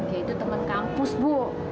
dia itu temen kampus bu